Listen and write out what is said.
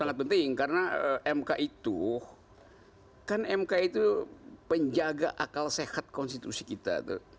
sangat penting karena mk itu kan mk itu penjaga akal sehat konstitusi kita